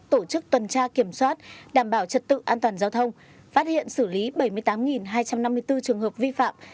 tổ chức tuần tra kiểm soát đảm bảo trật tự an toàn giao thông phát hiện xử lý bảy mươi tám hai trăm năm mươi bốn trường hợp vi phạm